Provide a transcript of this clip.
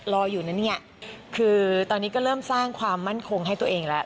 รออยู่นะเนี่ยคือตอนนี้ก็เริ่มสร้างความมั่นคงให้ตัวเองแล้ว